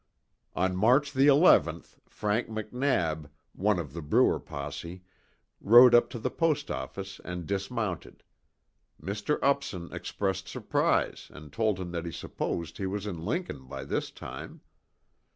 On March the eleventh, Frank McNab, one of the Bruer posse, rode up to the post office and dismounted. Mr. Upson expressed surprise and told him that he supposed he was in Lincoln by this time.